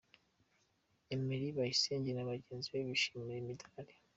Emery Bayisenge na bagenzi be bishimira imidari.